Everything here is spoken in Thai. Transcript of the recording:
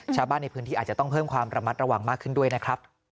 ชาวบ้านในพื้นที่อาจจะต้องเพิ่มความระมัดระวังมากขึ้นด้วยนะครับ